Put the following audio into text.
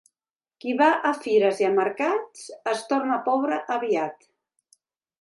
Qui va a fires i a mercats es torna pobre aviat.